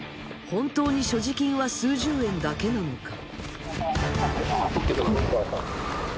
本当に所持金は数十円だけなのか？